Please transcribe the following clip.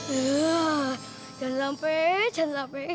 jangan sampai jangan sampai